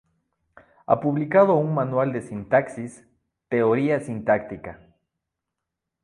Ha publicado un manual de sintaxis, "Teoría sintáctica.